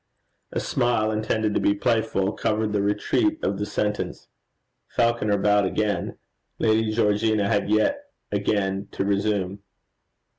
A smile, intended to be playful, covered the retreat of the sentence. Falconer bowed again. Lady Georgina had yet again to resume.